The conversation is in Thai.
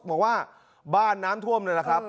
บอกว่าบ้านน้ำท่วมหนึ่งครับ